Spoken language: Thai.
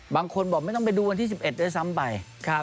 บางคนบอกไม่ต้องไปดูวันที่๑๑ด้วยซ้ำไป